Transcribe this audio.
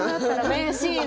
名シーン！